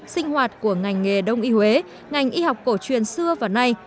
sinh hoạt của ngành nghề đông y huế ngành y học cổ truyền xưa và nay